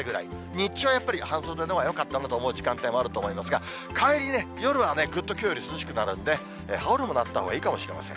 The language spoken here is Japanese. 日中はやっぱり半袖のほうがよかったと思う時間帯もあると思いますが、帰りね、夜はぐっときょうより涼しくなるんで、羽織るものあったほうがいいかもしれません。